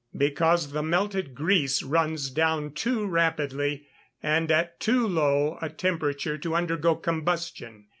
_ Because the melted grease runs down too rapidly, and at too low a temperature to undergo combustion.